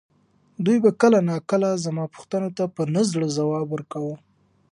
دوی به کله ناکله زما پوښتنو ته په نه زړه ځواب ورکاوه.